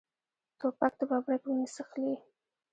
توپک د ببرک وینې څښلي.